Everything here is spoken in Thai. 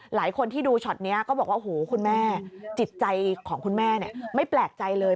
หลายคนที่ดูช็อตนี้ก็บอกว่าโอ้โหคุณแม่จิตใจของคุณแม่ไม่แปลกใจเลย